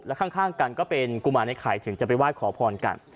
และข้างกันก็เป็นกุมารไอ้ไข่ถึงจะไปไหว้ขอพรกัน